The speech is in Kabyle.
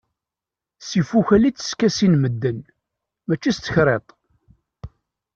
S ifukal i tteskasin medden, mačči s tekriṭ...